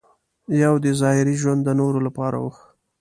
یو دې ظاهري ژوند د نورو لپاره و.